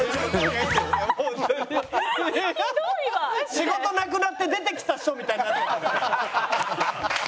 仕事なくなって出てきた人みたいになってたのよ。